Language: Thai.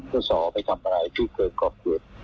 ก็สอว์ไปทำอะไรที่เกิดกรอบเกิด